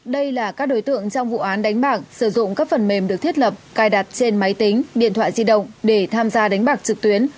đây là các đối tượng trong vụ án đánh bạc sử dụng các phần mềm được thiết lập cài đặt trên máy tính điện thoại di động để tham gia đánh bạc trực tuyến